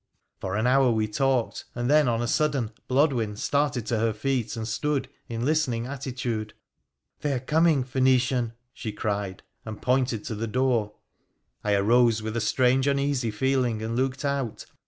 For an hour we talked, and then on a sudden Blodwen started to her feet and stood in listening attitude. ' They are coming, Phoenician,' she cried, and pointed to the door. PHRA THE rHCENICIAN 225 I arose with a strange uneasy feeling and looked out.